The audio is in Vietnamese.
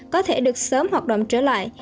có thể được sớm hoạt động trở lại